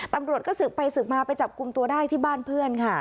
ตำรวจก็สืบไปสืบมาไปจับกลุ่มตัวได้ที่บ้านเพื่อนค่ะ